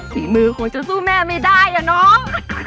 มีมือคงจะสู้แม่ไม่ได้อ่ะน้อง